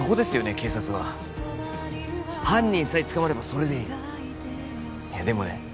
警察は犯人さえ捕まればそれでいいいやでもね